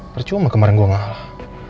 percuma kemarin gue ngalah